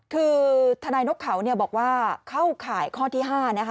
คือทนายนกเขาบอกว่าเข้าข่ายข้อที่๕นะคะ